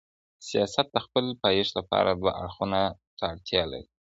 سياست د خپل پایښت له پاره دوو اړخونو ته اړتيا لري.